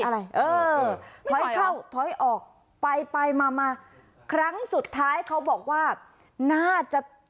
อะไรเออถอยเข้าถอยออกไปไปมามาครั้งสุดท้ายเขาบอกว่าน่าจะ